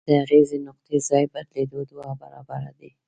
د اغیزې نقطې ځای بدلیدل دوه برابره دی.